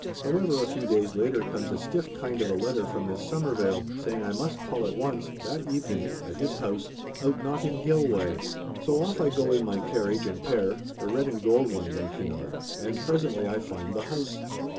However, a few days later comes a stiff kind of a letter from this Waklyn, saying I must call at once, that evening, at his house, out Notting Hill way. So off I go, in my carriage and pair (the red and gold one, don't you know), and presently I find the house.